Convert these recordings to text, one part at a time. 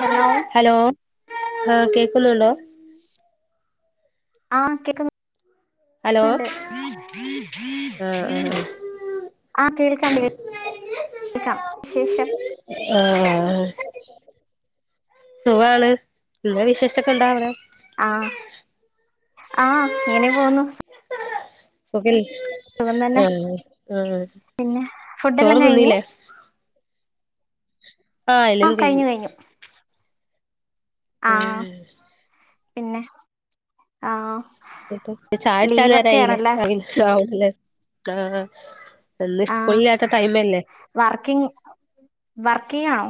Hello hello ഏഹ് കേൾക്കുന്നുണ്ടോ ആഹ് ഹലോ കേക്ണ്ട് ആഹ് ആഹ് ആഹ് കേൾക്കാം കേക്കാം ശേഷം ആഹ് സ് സുഖാണ് ങ്ങേ വിശ്ഷൊക്കെന്താ അവടെ ആഹ് ആഹ് ഇങ്ങനെ പോന്നു സുഖല്ലെ തന്നെ ആഹ് ആഹ് പിന്നെ ഫുഡെല്ലാം കഴിഞ്ഞ് ചോറോകെന്നില്ലേ ആഹ് എല്ലതും അഹ് കഴിഞ്ഞു കഴിഞ്ഞ് കഴിഞ്ഞു ആഹ് ഏഹ് പിന്നെ ആഹ് ന്നട്ട് ചായാ കുടിചാ ലീവൊക്കെ നേരായിലെ ആണല്ലേ അവിന് രാവ്‌ലെ ആഹ് എന്ന് സ്കൂൾല്ലാത ടൈമല്ലേ വർക്കിംഗ് വർക്ക് യ്യാണോ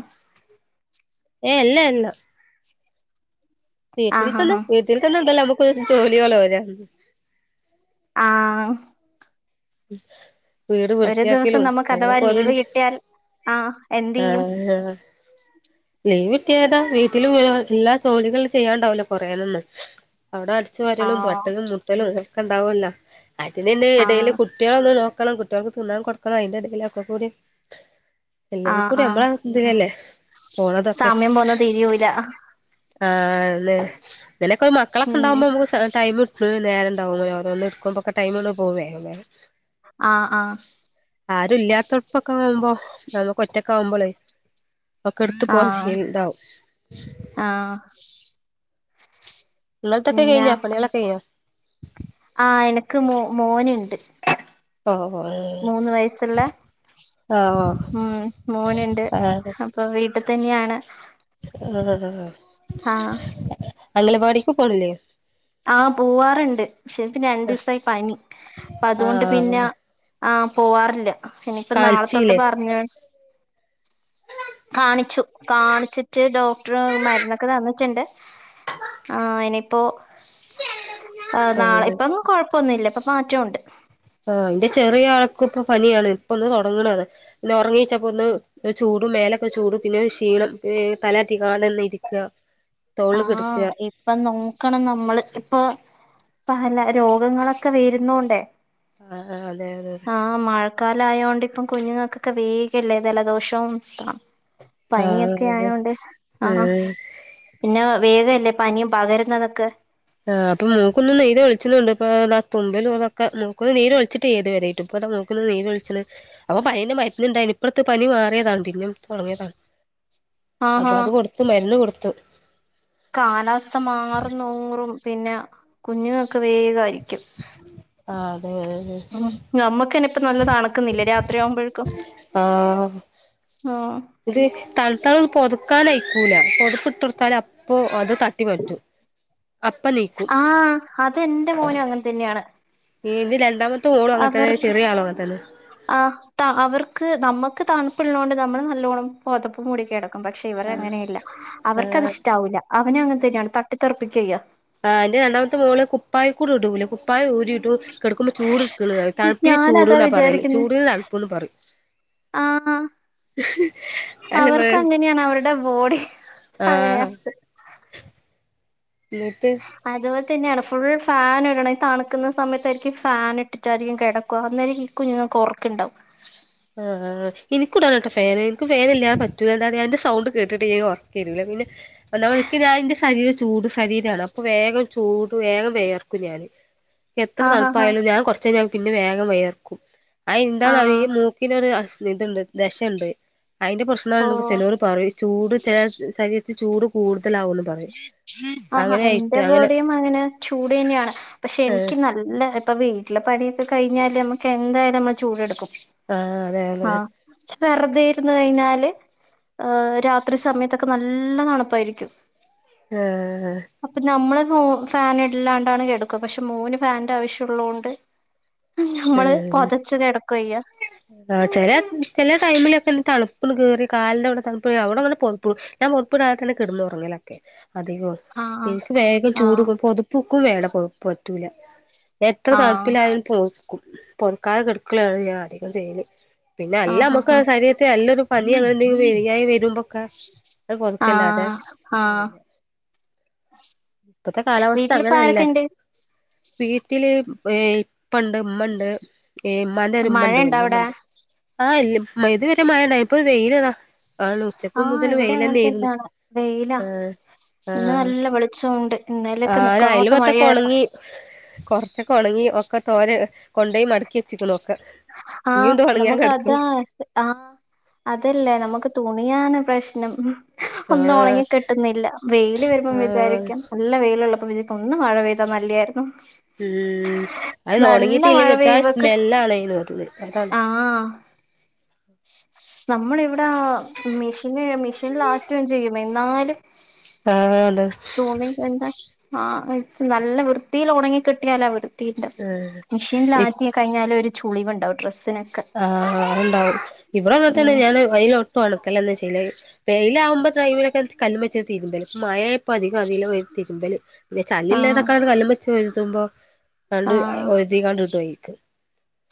ഏഹ് അല്ലല്ല വീട്ടിൽ ആഹ് ആഹ് തന്നെ ആഹ് വീട്ടിൽ തന്നെ ഉണ്ടല്ലോ നമുക്ക് ജോലികളോരം ഉം ആഹ് ഉം വീട് ഒരു ദിവസം വൃത്തിയാക്കലും നമുക്ക് അങ്ങനെ അഥവാ ലീവ് ഓരോന്ന് കിട്ടിയാൽ ആഹ് എന്ത് ചെയ്യും ആഹ് ആഹ് ലീവ് കിട്ടിയതാ വീട്ടില് മുഴുവൻ എല്ലാ ജോലികളും ചെയ്യാണ്ടാഒലോ കൊറേന്നന്ന് അവിടെട് ച്ചുവാരലും ആഹ് തൊട്ടലും മുട്ടലും ഇതൊക്കെണ്ടാവോലോ അതിന്നെ ഇടയിലെ ആഹ് കുട്ടിളൊന്ന് നോക് കണം കുട്ട്യേൾക്ക് തിന്നാൻ കൊടുക്കണം അയിന്റെ എടേല് ഒക്കെ കൂടി എല്ലതും ആഹ് കൂടി ആഹ് നമ്മളതിലല്ലേ പോണതൊക്കെ സമയം പോന്ന തിരിയൂല ആല്ലെ തെനേക്കം ഉം മക്കളൊക്കെണ്ടഉമ്പോ നമക്ക് ടൈം ഇട്ടുലെ നേരണ്ടാവുന്നുല്ല ഓരോന്ന് ഇട്ക്കുമ്പൊക്കെ ടൈമന്ന് പോകുംവേഗം വേഗം ആഹ് ആഹ് ആരുല്ലാത്തോട്ത്തോക്കെ ആവുമ്പോ നമ്മക്ക് ഒറ്റക്കെ ആവുമ്പോളേ കെടുത്തു പോവ് ആഹ് ശീൽടാവ് ആഹ് ഇന്നത്തെക്കെ പിന്നെ കഴിഞ്ഞാ പണികള് കഴിഞ്ഞാ ആഹ് എനക്ക് മോ മോനുണ്ട് ഓ ഓ മൂന്ന് വയസുള്ള ആഹ് ആഹ് മോനുണ്ട് ആഹ് അപ്പൊ വീട്ടിതന്നെയാണ് ആഹ് ആഹ് അംഗനവാടിക്ക് പോണില്ലേ ആ പോവാറുണ്ട് പക്ഷെ പിന്നെ രണ്ടീസായി പനി അപ്പ അതുകൊണ്ട് പിന്നെ ആഹ് ആ പോവാറില്ല ഇനിപ്പോ നാളെ തൊട്ട് കളിച്ചീലേ പറഞ്ഞ് കാണിച്ചു കാണിച്ചിട്ട് ഡോക്ടർ മരുന്നൊക്കെ തന്നിട്ടുണ്ട് ആ ഇനിയിപ്പോ നാളെ ആഹ് ഇപ്പൊങ് കൊഴപ്പൊന്നുല്ല ഇപ്പ മാറ്റണ്ട് ആ ഇന്റെ ചെറിയ ആൾക്കുപ്പൊ പനിയാണ് ഇപ്പൊ ഒന്ന് തൊടങ്ങണള്ളു പിന്നെ ഒറങ്ങീച്ചപ്പോ ഒന്ന് ചൂടും മേലൊക്കെ ചൂടും പിന്നെ ക്ഷീണം തല അധികാന്ന ഇരിക്കാ ആഹ് ഇപ്പ നോക്കണം നമ്മള് ഇപ്പൊ പല രോഗങ്ങളൊക്കെ വരുന്നോണ്ടേ ആഹ് അതെ അതെ ആഹ് മഴക്കാലയൊണ്ട് ഇപ്പം കുഞ്ഞുങ്ങൾക്കൊക്കെ വേഗല്ലേ ജലദോഷവും പ ആഹ് പനിയൊക്കെ അതെ ആയോണ്ട് ആഹ് ഉം പിന്നെ വേഗല്ലേ പനിയും പകരുന്നതൊക്കെ ആ അപ്പ മൂക്കുന്ന് നീരും ഒലിച്ച്ണ്ട്പ്പോ ദാ തുമ്പലൂതൊക്കെ മൂക്കന്ന് നീര് വെച്ചിട്ടില്ല ഇതുവരേ പ്പത നീരോലിച്ച്ണ് അപ്പൊ പനിടെ മരുന്നുണ്ടായിന് ഇപ്പട്ത്ത് പനി മാറിയതാണ് പിന്നെ തൊടങ്ങിയതാണ് ആഹാ അപ്പൊ അത് കൊടുത്തു മരുന്ന് കൊടുത്തു കാലാവസ്ഥ മാറും തോറും പിന്നെ കുഞ്ഞുങ്ങക്ക് വേകായിരിക്കും ആ അതെ ആഹ് നമ്മക്കന്നെ ഇപ്പ നല്ല തണ്ക്ക്ന്നില്ലേ രാത്രിയാവുമ്പോഴക്കും ആഹ് ആഹ് ഇത് തൺത്താളും പൊതക്കാൻയിക്കൂല പൊതപ്പ്ട്ടൊട്ത്താല് അപ്പൊ അത് തട്ടിമാറ്റും അപ്പ നീക്കും ആഹ് അതെന്റെ മോനും അങ്ങനെ തന്നെയാണ് ഈന്റെ രണ്ടാമത്തെ മോളും അങ്ങനത്തന്നെ ചെറിയ ആളും അങ്ങനത്തന്നെ ആ ത അവർക്ക് നമക്ക് തണുപ്പ്ള്ളോണ്ട് നമ്മള് നല്ലോണം പൊതപ്പ് മൂടി കിടക്കും പക്ഷെ ഇവര് അങ്ങനെയല്ല അവർക്ക് അത് ആഹ് ഇഷ്ടാവൂല്ല അവനും അങ്ങനെ തന്നെയാണ് തട്ടിത്തെറപ്പിക്കാ ചെയ്യ ആഹ് ഇന്റെ രണ്ടാമത്തെ മോള് കുപ്പായിക്കൂടെ ഇടൂലേ കുപ്പായം ഊരിടൂം കെടക്കുമ്പോ ചൂട് ഇട്ക്ക്ണ്റയും തണുപ്പിന് ചൂട് ഞാനതാ എന്നാ പറേല് ചൂടിന് തണുപ്പുന്ന് പറയും ആ അവർക്ക് അങ്ങനെയാണ് അവരുടെ ബോഡി അങ്ങനെയാ ആഹ് എന്നിട്ട് അതുപോലെ തന്നെയാണ് ഫുൾ ഫാൻ ഇടണ തണുക്കുന്ന സമയത്തായിരിക്കും ഫാൻ ഇട്ടിട്ടായിരികും കെടക്കുക അന്നേരം കുഞ്ഞുങ്ങക്ക് ഒർക്ക്ണ്ടാവും ആ ഇൻക്കും ഇടണട്ടോ ഫാന് ഇൻക്ക് ഫാൻ ഇല്ലാതെ പറ്റൂല എന്താറിയോ അയ്ന്റെ സൗണ്ട് കേട്ടിട്ട്ല്ലേ ഒറക്കെരൂല പിന്നെ ഒന്നാമത് ഇൻക്ക് ഞാന്റെ ശരീരം ചൂട് ശരീരാണ് അപ്പ വേഗം ചൂട് വേഗം വേർക്കും ഞാന് എത്ര ആഹ് ആഹ് ആഹ് തണപ്പായാലും ഞാൻ കുറ ഞാൻ പിന്നെ വേഗം വിയർക്കും ആ എന്താണ് അറിയോ ആഹ് ഈ മൂക്ക് ഇതൈണ്ട് ദശണ്ട് അയിന്റെ പ്രശ്നാന്ന് ഓഹ് ചിലോര് പറയും ചൂട് ച ശരീരത്തിത്ത് ചൂട് കൂടുതലാവുള്ളൂ ആഹ് എന്റെ ബോഡിയും അങ്ങനെ ചൂട് തന്നെയാണ് പക്ഷെ ആഹ് എനിക്ക് നല്ല ഇല്ല ഇപ്പൊ വീട്ടില പണിയൊക്കെ കഴിഞ്ഞാല് നമ്മുക്ക് എന്തായാലും നമ്മള് ചൂടെടുക്കും ആഹ് അതേ അതെ ആഹ് വെറുതെ ഇരുന്നുകഴിഞ്ഞാല് ആ രാത്രിസമയത്തൊക്കെ നല്ല തണുപ്പായിരിക്കും ആ അപ്പൊ നമ്മള് മോ ഫാനില്ലാണ്ടാണ് കെടക്കുക പക്ഷെ മോന് ഫാന്റെ ആവശ്യം ഉള്ളോണ്ട് ഞമ്മള് പൊതച്ച് കിടക്കുയ്യാ ആ ചെല ചെല ടൈമിലൊക്കെ തണുപ്പൊന്ന് കേറി കാലിന്റെവിടെ തണുപ്പുകേറി അവിടെവരെ പൊതപ്പ് ഞാൻ പൊതപ്പിടാതെ തന്നെ കിടന്നൊറങ്ങലൊക്കെ അധികോം ആഹ് എനിക്കുവേഗം ചൂട് ആഹ് പൊതപ്പൊക്കെ വേണം പൊതപ്പുപറ്റൂല എത്ര ആഹ് തണുപ്പിലായാലും പൊതക്കും പൊതക്കാതെ കെടക്കലാണ് ഞാൻ അധികം ചെയ്യല് പിന്നെ അല്ല ആഹ് നമ്മുക്ക് ആഹ് ശരീരത്തിൽ നല്ലൊരു പനി അങ്ങനെയെന്തെങ്കിലും വയ്യായ്ക വരുമ്പൊക്കെ അത് ആ പൊതക്കല്ലാതെ ആ ഇപ്പത്തെ കാലാവസ്ഥ അങ്ങനെയല്ലേ ഉണ്ട് വീട്ടില് ഇപ്പെണ്ട് ഇമ്മെണ്ട് ഇമ്മാന്റെ ഒരു ഉമ്മ മഴ ഇണ്ട് ഇണ്ടോ വലൃമ്മ അവിടെ ഇണ്ട് ആ ഇ മഴെ ഇതുവരെ മഴയാണെ ഇപ്പോ വെയിലിതാ ആണോ ആഹ് ഉച്ചക്കുമുതല് ഇവിടെ വെയില് അങ്ങനെ തന്നെആയിന്ന് തന്നെയാണ് ആ ആ വെളിച്ചം ഉണ്ട് ഇന്നാ ആര് അയൽവത്തെക്കൊണങ്ങി കൊറച്ചൊക്കെ ഒണങ്ങി ഒക്കെ തോര് കൊണ്ടോയ് മടക്കിവെച്ചിക്കണ് നോക്ക് ഇനീയൊണ്ട് ഒണങ്ങാൻ കെടക്കണ് ആ അതല്ലേ നമുക്ക് തുണിയാണ് പ്രശ്നം ഒന്ന് ആഹ് ഒണങ്ങി കിട്ടുന്നില്ല വെയില് വരുമ്പം ആഹ് വിചാരിക്കും നല്ല വെയിലൊള്ളപ്പോ വിചാരിക്കും ഒന്നു മഴപെയ്താ നല്ലയായിരുന്നു ഉം അയ്ന് നല്ല മഴ ഒണങ്ങിയിട്ടില്ലെന്നുവെച്ചാ സ്മെല്ലാണെന്ന് ഓർക്കൂലേ അതാണ് ആ നമ്മളിവിടെ മെഷീന് മെഷീനില് ആറ്റുകേം ചെയ്യും എന്നാലും കാണുവല്ലോ തുണി എന്താ ആ നല്ലവൃത്തിയിൽ ഒണങ്ങി കിട്ടിയാലവരും മെഷീനില് ആഹ് ആറ്റികഴിഞ്ഞാലും ഒരു ചുളിവുണ്ടാവും ഡ്രസ്സിനൊക്കെ ആ അതൊണ്ടാവും ഇവിടെ മാത്രമല്ല ഉം ഞാന് വെയിലിലിട്ട് ഒണക്കലന്നെ ചെയ്യണത് വെയിലാകുമ്പോ ടൈമിലൊക്കെ കല്ലുവെച്ച് തിരുമ്പല് മഴ ഇപ്പൊ അധികം അതിലാ തിരുമ്പല് പിന്നെ ആഹ് ചളില്ലാതൊക്കാണ് കല്ലുമ്മേ വെച്ച് ഒഴുതുമ്പോ കണ്ട് ആഹ് ഒഴുതികാണ്ട് കിട്ടും ഓയിക്ക്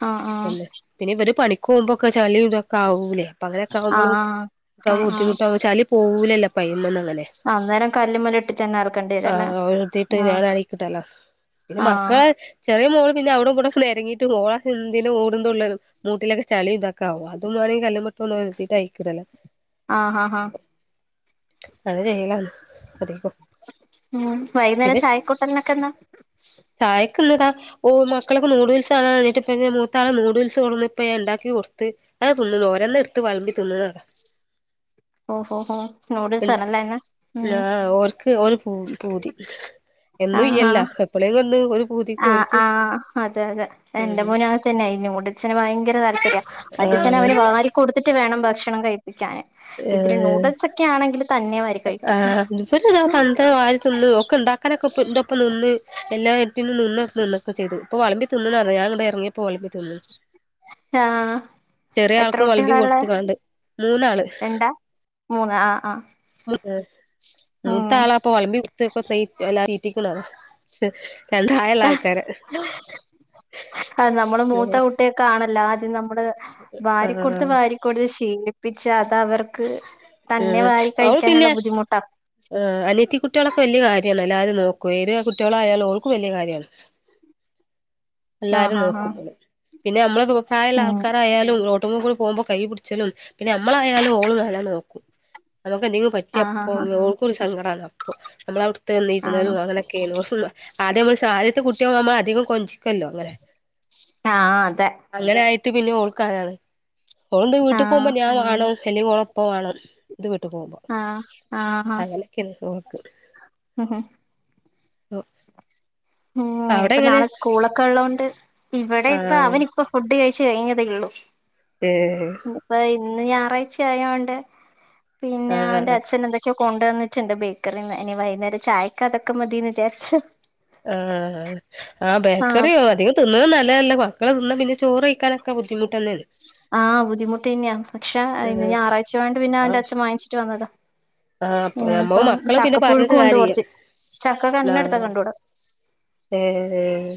ആഹ് ആഹ് പിന്നെ ഇവര് പണിക്കുപോവുമ്പോക്കെ ചളിയും ഇതൊക്കെ ആവൂലേ പ്പ അങ്ങനൊക്കെ ആകുമ്പളും ആഹ് ക്കെ ആഹ് ആഹ് ബുദ്ധിമുട്ടാവും ചളി പോകൂലല്ലോ പ്പയ്മേന്നങ്ങനെ അന്നേരം കല്ലുമ്മല് ഇട്ടിട്ട് തന്നെ അറക്കേണ്ടി വരും ആ അല്ലേ ഒഴുതീട്ട് ആഹ് ഞാന് അഴക്കിട്ടാലോ പിന്നെ ആഹ് മക്കള് ചെറിയമോള് പിന്നെ അവിടോം ഇവിടോം നെരങ്ങീട്ട് ഓള എന്തിന് ഓ ട്ടം തുള്ളലും മൂട്ടിലൊക്കെ ചളി ഇതൊക്കാവും അതും വേണങ്കി കല്ലുമ്മേഇട്ടൊന്നു ഒരസി അഴിക്കിടല് ആ ഹാ ഹാ നല്ല വെയിലാന്ന് ഒതുങ്ങിക്കോ ഉം വൈകുന്നേരം ചായക്കൂട്ടൽന്നെക്കെ എന്നാ ചായക്കിന്നിതാ ഓ മക്കളൊക്കെ നൂഡിൽസാണറഞിട്ട് പിന്നെ മു താ നൂഡിൽസ് കൊണന്നിപ്പോ ഞാ ഉണ്ടാക്കി കൊടുത്ത് അത് തിന്നു ഓരെണ്ണംഎടുത്തു വെളമ്പിതിന്നത്താ ഓഹോ ഹോ നൂഡിൽസ് ആണല്ലേ ഇന്ന് പിന് ഉം ആ ഓർക്ക് ഒരു പൂ പൂതി എന്നും ഇല്ലല്ലോ എപ്പളെങ്കിലുമൊന്ന് ഒരു പൂതിക്ക് ആ ആ ഓര്ക്കും അതെ അതെ എൻറെ ഉം മോനും അങ്ങനെതന്നെയാ ഈ ന്യൂഡ് അച്ഛന് ഭയങ്കര താല്പര്യാ അവന്റച്ഛന് അവനുവാരി കൊടുത്തിട്ടുവേണം ഭക്ഷണം കഴിപ്പിക്കാൻ ഇത്തിരി ഏഹ് നൂഡിൽസൊക്കെ ആണെങ്കില് തന്നെവാരി കഴിക്കും ആഹ് അങ്ങനൊക്കെ ഇപ്പം എന്റൊപ്പം നിന്ന് എല്ലായിട്ടും നിന്നൊ നിന്നൊക്കെ ചെയ്യ്തു ഇപ്പം വെളമ്പി തിന്നൊന്ന് പറയും ഞാനങ്ങോട്ട് എറങ്ങി പോലപ്പം തിന്നുന്നു ആഹ് ചെറിയ എത്ര ആൾക്ക് വെളമ്പി കുട്ടികളാ ഉള്ളെ കൊടുത്തുകാണ്ട് മൂന്നാള് രണ്ടാ മൂന്ന് ആ ആ മൂത്ത ആളാപ്പൊ വെളമ്പി കൊടുത്തിപ്പോ തീ അല്ലാ തീറ്റിക്കണത് രണ്ടായാല ആൾക്കാര് [unintelligible] ട്ടേ കാണല്ല ആദ്യം നമ്മള് വാരി കൊടുത്ത് ആഹ് വാരി കൊടുത്ത് ശീലിപ്പിച്ച് അത് അവർക്ക് തന്നെ വാരി കഴിക്കാനുള്ള ബുദ്ധിമുട്ടാക്കും ആ അനിയത്തി കുട്ടികളൊക്കെ വലിയ കാര്യാണ് എല്ലാവരും നോക്കും ഏത് കുട്ടികളായാലും ഓൾക്ക് വലിയ കാര്യാണ് [inaudible] എല്ലാരും ഹാ ഹാ നോക്കും പിന്നെ നമ്മള പ്രായമുള്ള ഉം ആൾക്കാരായാലും [unintelligible] [unintelligible] പോകുമ്പോ കൈ പിടിച്ചലും പിന്നെ നമ്മളായാലും ഓളായാലും നോക്കും നമുക്ക് എന്തെങ്കിലും പ റ്റ ആഹ് ഹാ എപ്പോഴും ഓൾക്കൊരു സങ്കടാ അപ്പൊ നമ്മള് അവിടുത്തെ ഹാ വന്നിരുന്നാലും ആഹ് അങ്ങനെ [unintelligible] ആദ്യം നമ്മള് ആദ്യത്തെ കുട്ടിയാമ്പോ അധികം കൊഞ്ചിക്കല്ലോ അങ്ങനെ ആഹ് ആഹ് അതെ അങ്ങനായിട്ട് പിന്നെ ഓൾക്കാരാണ് ഓള് എന്ത വീട്ടിൽക്ക് പോകുമ്പോ ആഹ് ഞാൻ വാണം അല്ലെങ്കിൽ ഓളൊപ്പ വേണം ഇത് വീട്ട് പോകുമ്പോ ആഹ് ആഹ് ആഹ് അങ്ങനെയൊക്കെണ്ട് ഓൾക്ക് [unintelligible] ഉം അവിടെ ഇനിപ്പോ എങ്ങനെ നാളെ സ്കൂളൊക്കെ ഉള്ളോണ്ട് ഇവിടെ ഇപ്പൊ ആഹ് അവന് ഇപ്പൊ ഫുഡ് കഴിച്ച് കഴിഞ്ഞതെ ഉള്ളൂ ഏഹ് ഇപ്പ ഇന്ന് ഞായറാഴ്ച ആയോണ്ട് പിന്നെ അവന്റെ ആഹ് അച്ഛൻ എന്തൊക്കെയോ കൊണ്ടുവന്നി ട്ടുണ്ട് ബേക്കറിന്ന് ഇനി വൈകുന്നേര ചായക്ക് അതൊക്കെ മതീന്ന് വിചാരിച്ചു ആഹ് ആ ആഹ് ബേക്കറിയോ അധികം തിന്നണേ നല്ലതല്ല മക്കള് തിന്നാ പിന്നെ ചോറ് കഴിക്കല്ല ഒക്ക ബുദ്ധിമുട്ടന്നേണ് ആഹ് ബുദ്ധിമുട്ട് തന്നെയാ പക്ഷേ ആഹ് ഞാറാഴ്ച്ച ആയോണ്ട് പിന്നെ അവന്റെ ആഹ് അച്ഛൻ വാങ്ങിച്ചിട്ട് വന്നതാ ആഹ് അപ്പൊ നമ്മ ഇനിയിപ്പം മക്കള് പിന്നെ ചക്ക പറഞ്ഞിട്ട് പുഴുക്കുണ്ട് കാര്യല്ല കൊർച്ച് ചക്ക കണ്ണ് എടുത്ത ആഹ് കണ്ടു കൂട ഏഹ്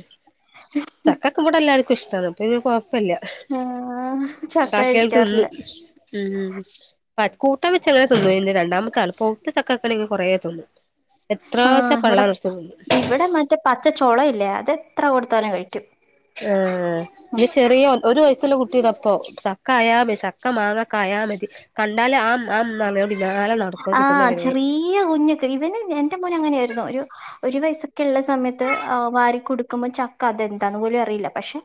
ചക്കക്കേ ഇവിടെ എല്ലാർക്കും ഇഷ്ടാണ് അപ്പൊ പിന്നെ കൊഴപ്പല്ല ആഹ് ചക്ക ഉണ്ടാക്കിയാൽ കഴിക്കാറില്ല തിന്നും ഉം കൂട്ടാൻ വെച്ച്ങ്ങനെ തിന്നുന് രണ്ടാമത്തെ ആള് ഇപ്പൊ ഇപ്പൊ ചക്കക്കണിങ്ങ് കൊറേ തിന്നും എത്ര വച്ച ആഹ് ഇവിടെ പള്ളാറച്ച് തിന്നു ഇവിടെ മറ്റേ പച്ചച്ചൊള ഇല്ലേ അത് എത്ര കൊടുത്താലും കഴിക്കും ആ ഉം ഇ ചെറിയ ഒരു വയസ്സുള്ള കുട്ടീടപ്പോ ചക്ക അയാമേ ചക്ക മാങ്ങ കായാ മതി കണ്ടാല് അം അം ന്നർഞ്ഞ് പിന്നാലെ നടക്കും കിട്ടുന്നവരെ ഈ കുഞ്ഞുക്ക് ഇതിന് എന്റെ മോൻ അങ്ങനെയായിരുന്നു ഒരു ഒരു വയസൊക്കെ ഉള്ള സമയത്ത് വാരി കൊടുക്കുമ്പോ ചക്ക അതെന്താന്ന് പോലും അറിയില്ല പക്ഷെ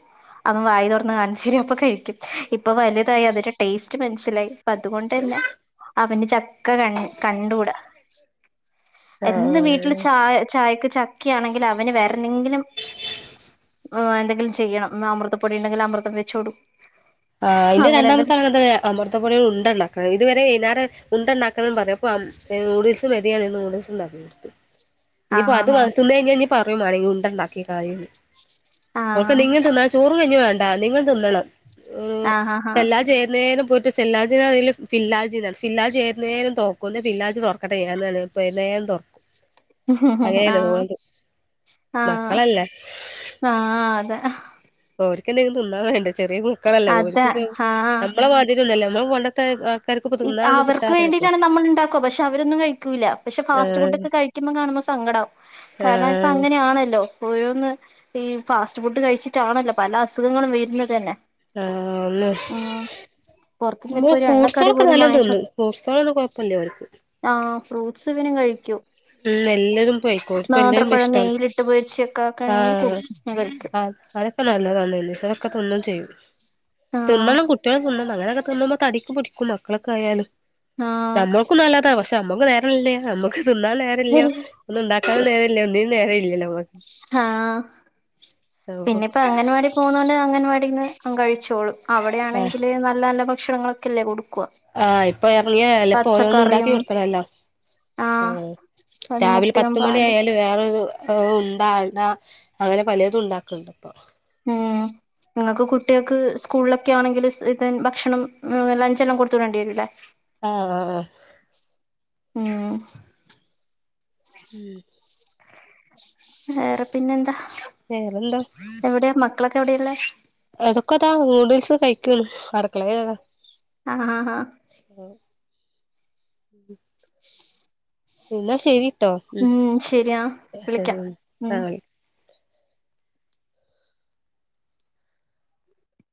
അവൻ വായി തുറന്ന് കാണിച്ചരും അപ്പൊ കഴിക്കും ഇപ്പൊ വലുതായി അതിന്റെ ടേസ്റ്റ് മനസ്സിലായി അപ്പ അതുകൊണ്ട് തന്നെ അവന് ച ക്ക കണ്ടൂട എന്ന് വീട്ടില് ആഹ് ചായ ചായക്ക് ച ക്ക ആണെങ്കിൽ അവന് വേറെ എന്തെങ്കിലും എന്തെങ്കിലും ചെയ്യണം അമൃത പൊടി ഉണ്ടെങ്കിൽ അമൃതം വെച്ചോട്ക്കും ആഹ് ന്റെ രണ്ടമത്തെ ആള് അങ്ങൻതന്നെ അമൃത പൊടിയൊണ്ട് ഉണ്ട ഉണ്ടാക്കണം ഇതുവരെ വൈന്നേരം ഉണ്ട ഉണ്ടാക്കണന്ന് പറയാപ്പ നൂഡിൽസും മെതിയാണിന്ന് നൂഡിൽസ് ഉണ്ടാക്കി കൊടുക്കും ഇനിയിപ്പോ ആഹ് അത് ആഹ് വർക്കുമ്മേഞ്ഞി കഴിഞ്ഞാ പറയുമാണെങ്കി ഉണ്ട ഉണ്ടാക്കികാളീ ന്ന് ആഹ് ഓൽക്ക് എന്തെങ്കിലും തിന്നാ ചോറും കഞ്ഞിം വേണ്ട എന്തെങ്കിലും തിന്നണം ആഹ് ആഹ് എല്ലാം ചേരുന്നേന്ന് പോയിട്ട് ചെല്ലാതെ അതില് ഫില്ലാജ്താണ് ഫില്ലാജ് ഏത് നേരം തൊർക്കും ൻ്റെ ഫില്ലാജ് തൊർക്ക [unintelligible] ആഹ് ആഹ് മക്കളല്ലേ ആഹ് അതെ ഓര് ക്ക് എന്തെങ്കിലും തിന്നാൻ വേണ്ടേ ചെറിയ മക്കളല്ലേ അതെ അവർക്ക് ആഹ് നമ്മൾ മാതിരി ഒന്നുമല്ല നമ്മൾ പണ്ടത്തെ. ആൾക്കാർക്ക് ഇപ്പോ തിന്നാനൊന്നും അവർക്ക് കിട്ടാതായില്ലേ വേണ്ടിയിട്ടാണ് നമ്മൾ ഉണ്ടാക്കുക പക്ഷെ അവരൊന്നും കഴിക്കൂല്ല പക്ഷെ ഫാസ്റ്റ് ഫുഡ് ആഹ് ഒക്കെ കഴിക്കുന്നത് കാണുമ്പോ സങ്കടാവും കാരണം ഇപ്പൊ ആഹ് അങ്ങനെ ആണല്ലോ. ഓരോന്ന് ഈ ഫാസ്റ്റ് ഫുഡ് കഴിച്ചിട്ടാണല്ലോ പല അസുഖങ്ങളും വരുന്നത് തന്നെ. ആന്ന് ഉം പുറത്തുന്ന് ഇപ്പൊ മ ഒരു ഫ്രൂ എണ്ണക്കടി ട്‌സാളൊക്കെ പോലും നല്ലോണം വാങ്ങിച്ചോ തിന്നും ഫ്രൂട്‌സാളൊന്നും കൊഴ്പ്പല്ലോർക്ക് ആ ഫ്രൂട്ട്സ് എന്തെങ്കിലും കഴിക്കും ഉം എല്ലതും കഴിക്കും ഓര്ക്ക് എല്ലതും നേന്ദ്രപഴം ഇഷ്ടാണ് നെയ്യിലിട്ട് പൊര്ച്ചൊക്കെ ആക്കാണെങ്കി ആഹ് കൊടു [unintelligible] ആഹ് അതൊക്കെ നല്ലതാണ് അതൊക്കെ പ്പെ എന്നും ചെയ്യും ആഹ് തിന്നണം കുട്ടിയള് തിന്നണം അങ്ങനെയൊക്കെ തിന്നുമ്പം. തടിക്ക് പിടിക്കും മക്കളൊക്കെ ആയാലും. ആഹ് നമ്മൾക്കും നല്ലതാ പക്ഷെ അമ്മക്ക് നേരല്ല അമ്മക്ക് തിന്നാൻ നേരല്ല്യ ഒന്നു ഇണ്ടാക്കാനും. നേരല്ല ഒന്നിനും നേരല്ലല്ലോ ആഹ് നമ്മക്ക് പിന്നപ്പ അങ്ങൻവാടി പൊന്നൊണ്ട് അംഗൻവാടിന്ന് കഴിച്ചോളും ആഹ് അവിടെയാണെങ്കില് നല്ല നല്ല ഭക്ഷണങ്ങളൊക്കെല്ലേ കൊടുക്ക ആ ഇപ്പോ എർങ്ങിയതാ [unintelligible] പ്പോ ഓരോന്ന് ഇണ്ടാക്കി കൊട്‌ക്കണല്ലോ ആഹ് ഉം അത് രാവിൽ മുട്ടയും പത്തുമണി പാലും ആയാല് വേറൊരു ഉണ്ട അട അങ്ങനെ പലെതും ഇണ്ടാക്ക്‌ണ്ട് ഇപ്പൊ ഉം ഇങ്ങക്ക് കുട്ടിയെക്ക് സ്കൂൾലൊക്കെ ആണെങ്കില് ഇതൻ ഭക്ഷണം ലഞ്ചല്ലാ കൊട്‌ത്ത് വിടേണ്ടി വരൂ ലെ ആ ആ ഉം ഉം വേറെ പിന്നെന്താ വേറെന്താ എവ്ടെയാ മക്കളൊക്കെ എവ്ടെയാള്ളെ [unintelligible] നൂഡിൽസ് കഴിക്കുന്നു അടുക്കളയിൽ താ ആ ഹ ഹാ ഹാ ശ് ശ് ഇന്നാ ശെരിട്ടോ ഉം ശരിയാ ശരി വിളിക്കാം ഉം ആ വിളി